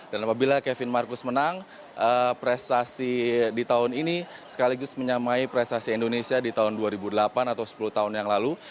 dan apabila kevin marcus menang prestasi di tahun ini sekaligus menyamai prestasi indonesia di tahun dua ribu delapan atau sepuluh tahun yang lalu